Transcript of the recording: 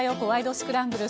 スクランブル」。